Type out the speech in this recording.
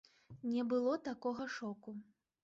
Не было такога шоку.